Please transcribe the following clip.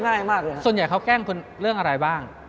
แล้วส่วนใหญ่เขาแกล้งคุณเรื่องอะไรบ้าง